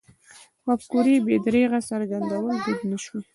مفکورې بې درېغه څرګندول دود نه شوی.